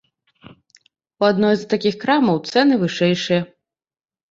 У адной з такіх крамаў цэны вышэйшыя.